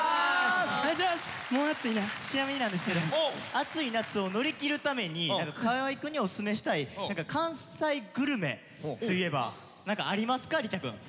ちなみになんですけどアツい夏を乗り切るために河合くんにおすすめしたい関西グルメといえば何かありますかリチャくん。えしそ！